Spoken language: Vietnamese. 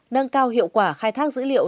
nâng cao hiệu quả khai thác dữ liệu